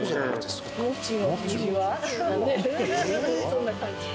そんな感じ。